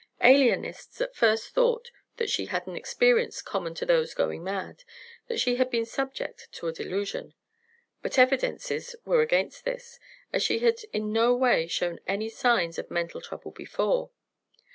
Alienists at first thought that she had an experience common to those going mad that she had been subject to a delusion. But evidences were against this, as she had in no way shown any signs of mental trouble before.